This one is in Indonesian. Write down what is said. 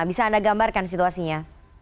bisa anda gambarkan situasinya